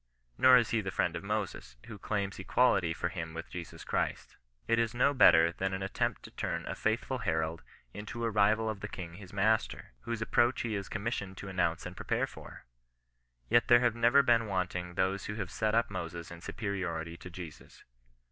Nor is he the friend of Moses, who claims equality for him with Jesus Christ. It is no better than an at tempt to turn a faithful herald into a rival of the king his master, whose approach he is commissioned to an nounce and prepare for. Yet there have never been wanting those who have set up Moses in superiority to Jesus.